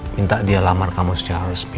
minta dia lamar kamu secara resmi